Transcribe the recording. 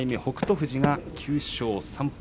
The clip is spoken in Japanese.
富士が９勝３敗。